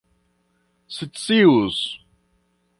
scius